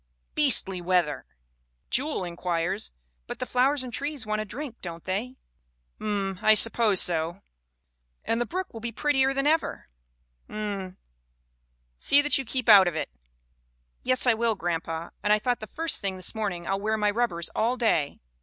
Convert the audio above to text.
" 'Beastly weather.' ' Jewel inquires: " 'But the flowers and trees want a drink, don't they?' "' 'M. I suppose so/ 280 THE WOMEN WHO MAKE OUR NOVELS " 'And the brook will be prettier than ever/ "' 'M. See that you keep out of it.' " 'Yes, I will, grandpa ; and I thought the first thing this morning, I'll wear my rubbers all day.